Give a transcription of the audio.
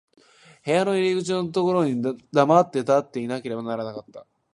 部屋の入口のところに黙って立っていなければならなかった。